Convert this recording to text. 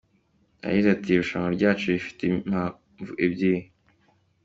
Yagize ati “Irushanwa ryacu rifite impamvu ebyiri.